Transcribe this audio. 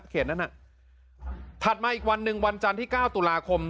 นั้นน่ะถัดมาอีกวันหนึ่งวันจันทร์ที่๙ตุลาคม